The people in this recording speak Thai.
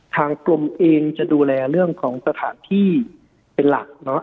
ทางกรมเองจะดูแลเรื่องของสถานที่เป็นหลัก